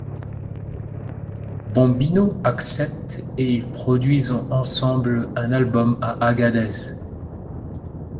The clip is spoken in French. Bombino accepte et ils produisent ensemble un album à Agadez.